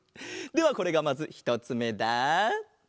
ではこれがまずひとつめだ！